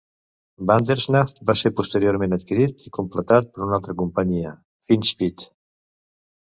"Bandersnatch" va ser posteriorment adquirit i completat per una altra companyia, "Finchspeed".